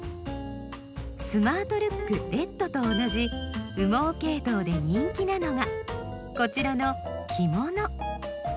スマートルックレッドと同じ羽毛ケイトウで人気なのがこちらの「きもの」。